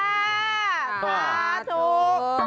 ค่าถูก